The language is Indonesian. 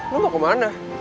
lo mau kemana